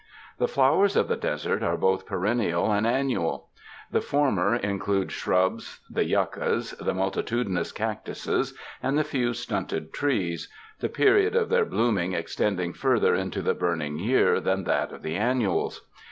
The flowers of the desert are both perennial and annual. The former include shrubs, the yuccas, the multitudinous cactuses and the few stunted trees — the period of their blooming extending further into the burning year than that of the annuals.